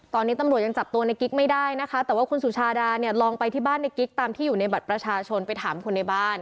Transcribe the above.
ตอนนี้ตำรวจยังจับตัวในกิ๊กไม่ได้นะคะแต่ว่าคุณสุชาดาเนี่ยลองไปที่บ้านในกิ๊กตามที่อยู่ในบัตรประชาชนไปถามคนในบ้าน